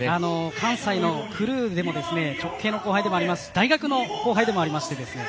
関西でも直系の後輩でもありますし大学の後輩でもありまして。